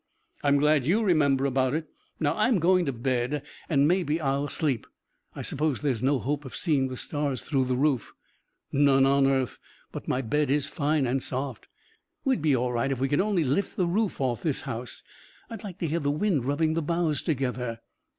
"I'm glad you remember about it. Now I'm going to bed, and maybe I'll sleep. I suppose there's no hope of seeing the stars through the roof." "None on earth! But my bed is fine and soft. We'd be all right if we could only lift the roof off the house. I'd like to hear the wind rubbing the boughs together."